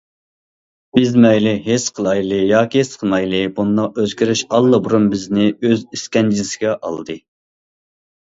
بىز مەيلى ھېس قىلايلى ياكى ھېس قىلمايلى، بۇنداق ئۆزگىرىش ئاللىبۇرۇن بىزنى ئۆز ئىسكەنجىسىگە ئالدى.